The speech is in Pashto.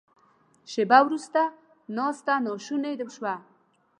شیبه وروسته ناسته ناشونې شوه.